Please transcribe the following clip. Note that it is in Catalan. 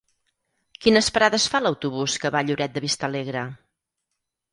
Quines parades fa l'autobús que va a Lloret de Vistalegre?